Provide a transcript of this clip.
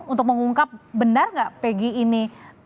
untuk mengungkap benar gak peggy ini